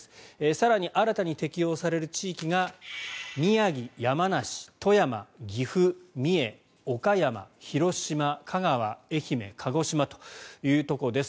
更に新たに適用される地域が宮城、山梨、富山、岐阜、三重岡山、広島、香川、愛媛鹿児島というところです。